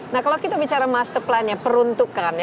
nah kalau kita bicara master plan nya peruntukan